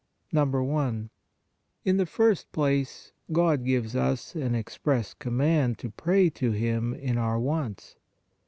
I. In the first place, GOD GIVES us AN EXPRESS COMMAND TO PRAY TO HlM IN OUR WANTS.